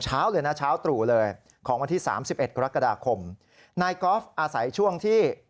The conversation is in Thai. เช้าเลยนะเช้าตรู่เลยของวันที่สามสิบเอ็ดกรกฎาคมนายกอล์ฟอาศัยช่วงที่